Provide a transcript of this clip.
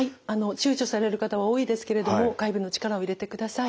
ちゅうちょされる方は多いですけれども外部の力を入れてください。